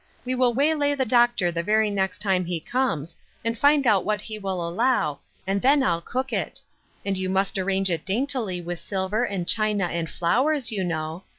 We will waylay the doctor the very next time he comes, and find out what he will allow, and then I'll cook it ; and you must arrange it daintily with silver, and china, and flowers, you know.